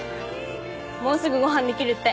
もうすぐご飯できるって。